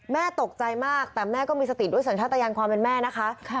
แม่ตกใจมากแต่แม่ก็มีสติด้วยสัญชาติยานความเป็นแม่นะคะ